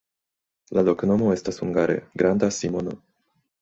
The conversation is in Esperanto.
La loknomo estas hungare: granda Simono.